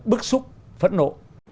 bức xúc phẫn nộ